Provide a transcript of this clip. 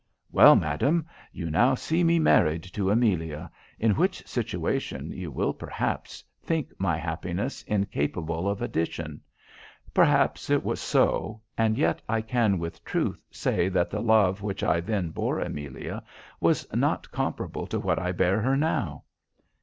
"Well, madam, you now see me married to Amelia; in which situation you will, perhaps, think my happiness incapable of addition. Perhaps it was so; and yet I can with truth say that the love which I then bore Amelia was not comparable to what I bear her now."